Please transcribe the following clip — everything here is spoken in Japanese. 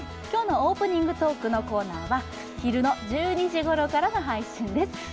今日のオープニングトークのコーナーは昼の１２時ごろからの配信です。